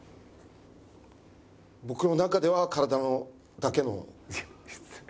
僕の中では体だけの関係です。